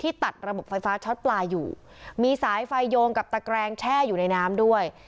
ตัดระบบไฟฟ้าช็อตปลาอยู่มีสายไฟโยงกับตะแกรงแช่อยู่ในน้ำด้วย